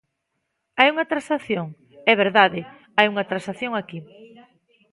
¿Hai unha transacción? É verdade, hai unha transacción aquí.